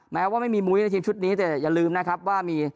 แม้ว่าไม่มีมุ้ยในทีมชุดนี้แต่อย่าลืมนะครับว่ามี